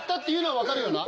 分かるよ。